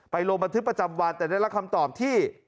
ไปโรงประทิตย์ประจำวัติแต่ได้รับคำตอบที่